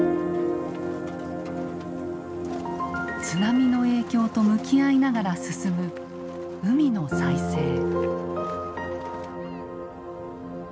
津波の影響と向き合いながら進む海の再生。